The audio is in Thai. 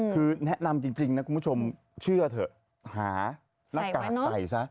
คือแนะนำจริงนะคุณผู้ชมเชื่อเถอะหาหน้ากากใส่ซะ